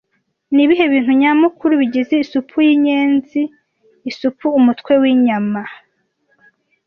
Nibihe bintu nyamukuru bigize isupu yinyenzi isupu Umutwe winyana